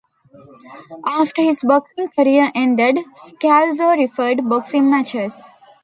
After his boxing career ended, Scalzo refereed boxing matches.